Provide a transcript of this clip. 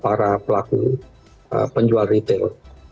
para pelaku penjual retail